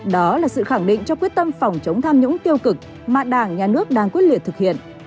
đó là sự khẳng định cho quyết tâm phòng chống tham nhũng tiêu cực mà đảng nhà nước đang quyết liệt thực hiện